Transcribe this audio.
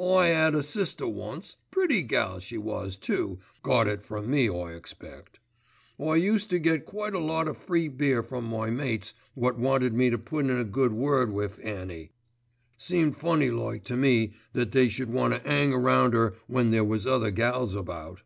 I 'ad a sister once, pretty gal she was, too, got it from me I expect. I used to get quite a lot o' free beer from my mates wot wanted me to put in a good word with Annie. Seemed funny like to me that they should want to 'ang round 'er when there was other gals about.